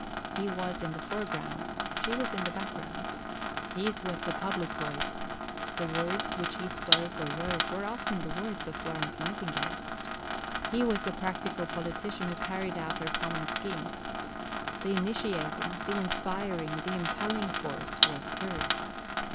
He was in the foreground, she in the background. His was the public voice; the words which he spoke or wrote were often the words of Florence Nightingale. He was the practical politician who carried out their common schemes. The initiating, the inspiring, the impelling force was hers.